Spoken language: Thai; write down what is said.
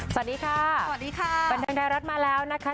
สวัสดีค่ะสวัสดีค่ะบันเทิงไทยรัฐมาแล้วนะคะ